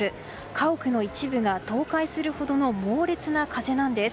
家屋の一部が倒壊するほどの猛烈な風なんです。